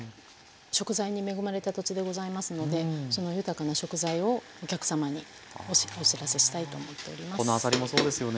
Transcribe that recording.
食材に恵まれた土地でございますのでその豊かな食材をお客様にお知らせしたいと思っております。